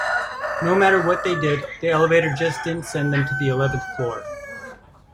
No matter what they did, the elevator just didn't send them to the eleventh floor.